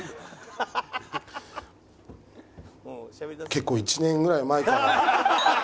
結構１年ぐらい前から。